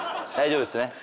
大丈夫ですね。